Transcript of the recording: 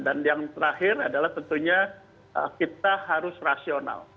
dan yang terakhir adalah tentunya kita harus rasional